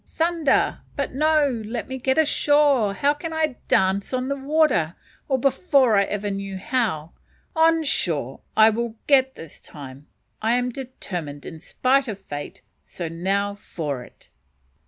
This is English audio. Thunder! but no; let me get ashore; how can I dance on the water, or before I ever knew how? On shore I will get this time, I am determined, in spite of fate so now for it.